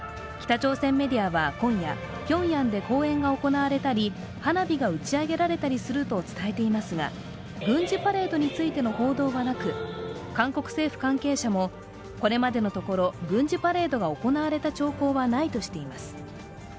北朝鮮メディアは今夜ピョンヤンで公演が行われたり花火が打ち上げられたりすると伝えていますが、軍事パレードについての報道はなく、韓国政府関係者もこれまでのところ軍事パレードが行われた兆候はないとしています。